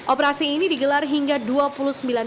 operasi ini digelar hingga dua bulan